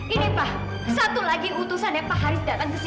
ini pak satu lagi utusan ya pak haris datang ke sini